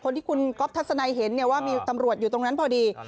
ที่คุณก๊อฟทัศนัยเห็นว่ามีตำรวจอยู่ตรงนั้นพอดี